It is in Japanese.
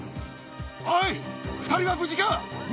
おい、２人は無事か？